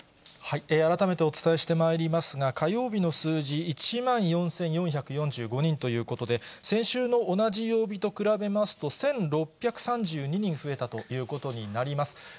改めてお伝えしてまいりますが、火曜日の数字、１万４４４５人ということで、先週の同じ曜日と比べますと、１６３２人増えたということになります。